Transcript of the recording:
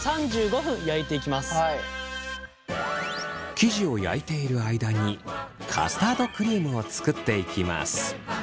生地を焼いている間にカスタードクリームを作っていきます。